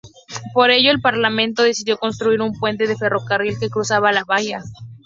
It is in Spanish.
Por ello, el Parlamento decidió construir un puente de ferrocarril que cruzara la bahía.